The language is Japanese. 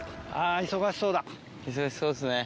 忙しそうですね。